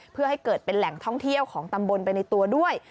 เพื่อให้เกิดเป็นแหล่งท่องเที่ยวของตำบลไปในตัวด้วย